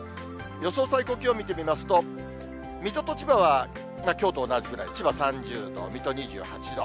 予想最高気温見てみますと、水戸と千葉はきょうと同じぐらい、千葉３０度、水戸２８度。